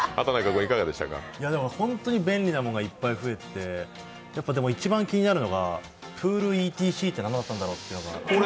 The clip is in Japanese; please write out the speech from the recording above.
本当に便利なものがいっぱい増えてて、一番気になるのがプールＥＴＣって何だったんだろうって。